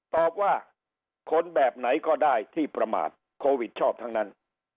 ตอบว่าคนแบบไหนก็ได้ที่ประมาทโควิดชอบทั้งนั้น